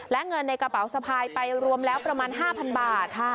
และเงินในกระเป๋าสะพายไปรวมแล้วประมาณ๕๐๐บาท